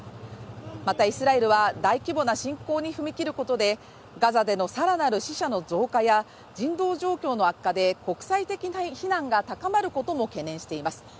また、イスラエルは大規模な侵攻に踏み切ることでガザでの更なる死者の増加や人道状況の悪化で国際的な非難が高まることも懸念しています。